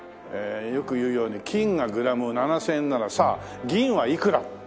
えよく言うように金がグラム７０００円ならさあ銀はいくら？